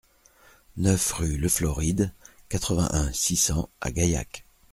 neuf rue Le Floride, quatre-vingt-un, six cents à Gaillac